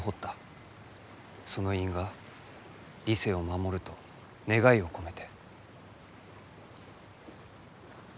その印がリセを守ると願いを込めて。